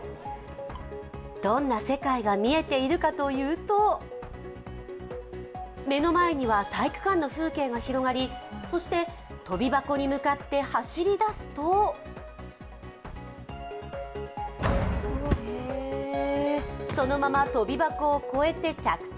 どんな世界が見えているかというと、目の前には体育館の風景が広がり、そしてとび箱に向かって走り出すとそのまま、とび箱を越えて着地。